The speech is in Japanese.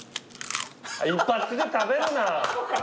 一発で食べるな！